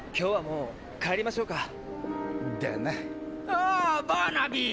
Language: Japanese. ああっバーナビー！